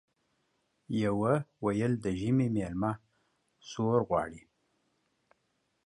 يوه ويل د ژمي ميلمه زور غواړي ،